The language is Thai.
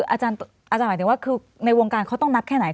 อาจารย์หมายถึงว่าคือในวงการเขาต้องนับแค่ไหน